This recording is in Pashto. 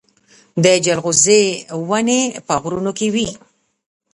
د جلغوزي ونې په غرونو کې وي